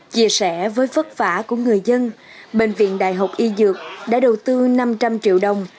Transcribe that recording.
chia sẻ với vất vả của người dân bệnh viện đại học y dược đã đầu tư năm trăm linh triệu đồng